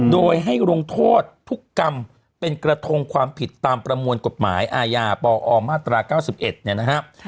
โดยให้ลงโทษทุกกรรมเป็นกระทงความผิดตามประมวลกฎหมายอาญาปอมาตรา๙๑เนี่ยนะครับ